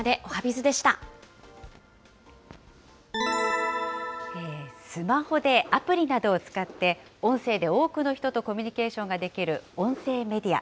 スマホでアプリなどを使って、音声で多くの人とコミュニケーションができる音声メディア。